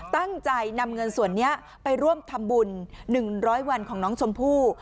ตั้งใจนำเงินส่วนนี้ไปร่วมทำบุญ๑๐๐วันของน้องชมพู่